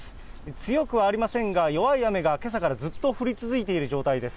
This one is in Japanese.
強くはありませんが、弱い雨がけさからずっと降り続いている状態です。